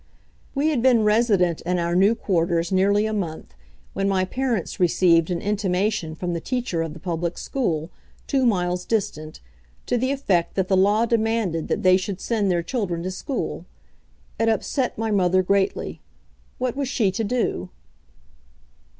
We had been resident in our new quarters nearly a month when my parents received an intimation from the teacher of the public school, two miles distant, to the effect that the law demanded that they should send their children to school. It upset my mother greatly. What was she to do?